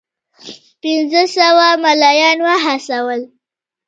پنځه سوه مُلایان وهڅول.